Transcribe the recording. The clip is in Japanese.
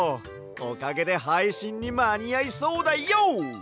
おかげではいしんにまにあいそうだＹＯ！